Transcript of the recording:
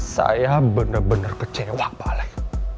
saya benar benar kecewa pak alek